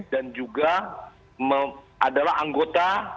dan juga adalah anggota